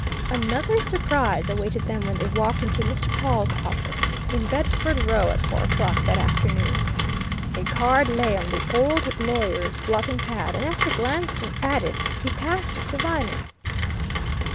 Another surprise awaited them when they walked into Mr. Pawle's office in Bedford Row at four o'clock that afternoon. A card lay on the old lawyer's blotting pad, and after glancing at it, he passed it to Viner.